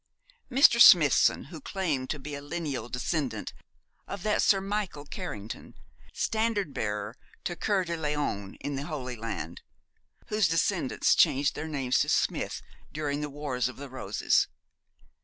Mr. Smithson, who claimed to be a lineal descendant of that Sir Michael Carrington, standard bearer to Coeur de Lion in the Holy Land, whose descendants changed their name to Smith during the Wars of the Roses.